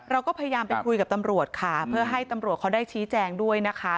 เราก็พยายามไปคุยกับตำรวจค่ะเพื่อให้ตำรวจเขาได้ชี้แจงด้วยนะคะ